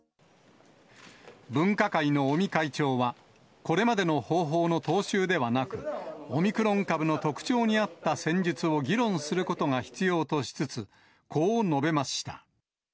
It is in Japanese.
分科会の尾身会長は、これまでの方法の踏襲ではなく、オミクロン株の特徴に合った戦術を議論することが必要としつつ、こう述べました。